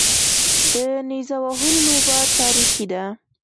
د نیزه وهلو لوبه تاریخي ده